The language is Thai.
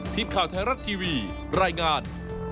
ทีมข่าวไทยรัฐทีวีรายงาน